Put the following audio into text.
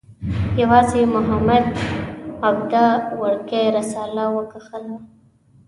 یوازې محمد عبده وړکۍ رساله وکښله.